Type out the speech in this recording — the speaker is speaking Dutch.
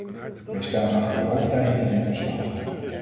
Wij staan achter de hoofdlijnen in dit verslag.